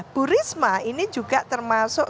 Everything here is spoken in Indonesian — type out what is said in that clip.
bu risma ini juga termasuk